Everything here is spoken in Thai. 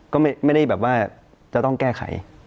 ก็ไม่ได้แบบว่าจะต้องแก้ไข